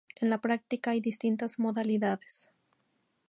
En la práctica hay distintas modalidades.